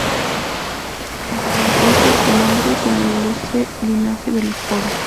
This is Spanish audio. Emparentó, por su madre, con el ilustre linaje de los Oro.